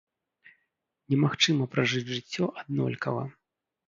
Немагчыма пражыць жыццё аднолькава.